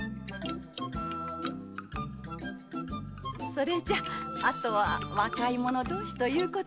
それじゃあとは若い者同士ということで。